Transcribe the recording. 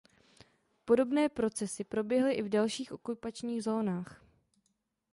Podobné procesy proběhly i v dalších okupačních zónách.